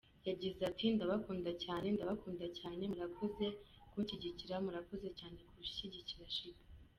Yagize ati "Ndabakunda cyane, ndabakunda cyane, murakoze kunshyigikira, murakoze cyane gushyigikira Sheebah.